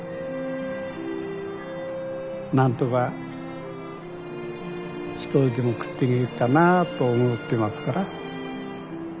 何とか一人でも食っていけるかなと思ってますから。